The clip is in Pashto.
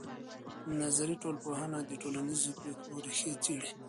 نظري ټولنپوهنه د ټولنیزو پېښو ریښې څېړي.